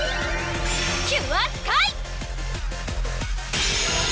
キュアスカイ！